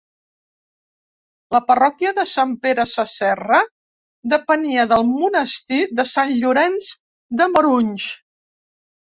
La parròquia de Sant Pere Sasserra depenia del monestir de Sant Llorenç de Morunys.